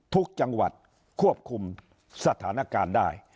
ทุกจังหวัดควบคุมสถานการณ์ได้